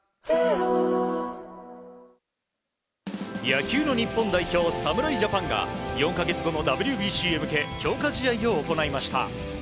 野球の日本代表、侍ジャパンが４か月後のＷＢＣへ向け強化試合を行いました。